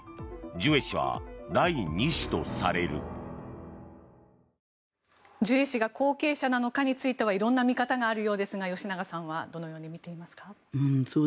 ジュエ氏が後継者なのかについては色んな見方があるようですが吉永さんはどのように見ていますか？